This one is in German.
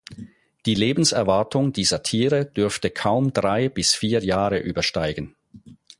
Die Lebenserwartung dieser Tiere dürfte kaum drei bis vier Jahre übersteigen.